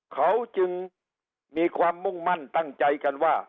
เขาจึงมีความมุ่งมั่นตั้งใจกันว่า